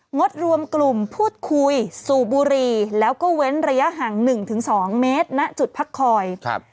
๖งดรวมกลุ่มพูดคุยสู่บุรีแล้วก็เว้นระยะห่าง๑๒เมตรณจุดพักคอย